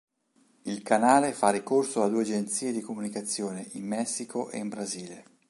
Il canale fa ricorso a due agenzie di comunicazione, in Messico e in Brasile.